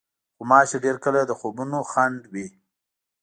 غوماشې ډېر کله د خوبونو خنډ وي.